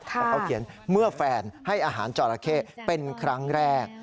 เพราะเขาเขียนเมื่อแฟนให้อาหารจอราเข้เป็นครั้งแรก